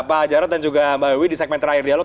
pak jarod dan juga mbak wiwi di segmen terakhir dialog